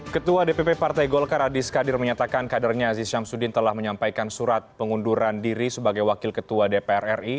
ketua dpp partai golkar adis kadir menyatakan kadernya aziz syamsuddin telah menyampaikan surat pengunduran diri sebagai wakil ketua dpr ri